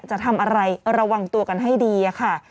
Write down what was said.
จะทำอะไรระวังตัวกันให้ดีค่ะ